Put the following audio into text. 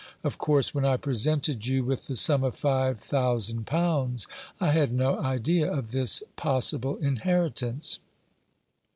Of course, when I presented you with the sum of five thousand pounds, I had no idea of this possible inheritance."